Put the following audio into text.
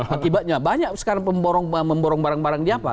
akibatnya banyak sekarang memborong barang barang di apa